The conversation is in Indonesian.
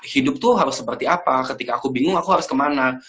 hidup tuh harus seperti apa ketika aku bingung aku harus kemana